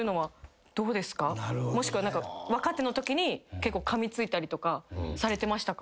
もしくは何か若手のときに結構かみついたりとかされてましたか？